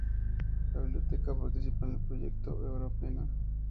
La biblioteca participa en el proyecto Europeana.